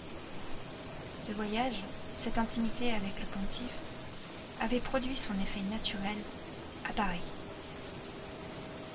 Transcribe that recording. Ce voyage, cette intimité avec le pontife, avait produit son effet naturel à Paris.